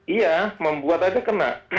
iya membuat saja kena